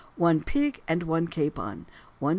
one pig and one capon, 1s.